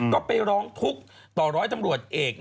ก็ไปร้องทุกข์ต่อร้อยตำรวจเอก